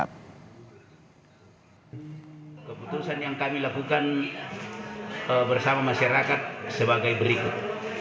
keputusan yang kami lakukan bersama masyarakat sebagai berikut